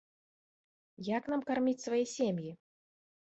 Як нам карміць свае сем'і?!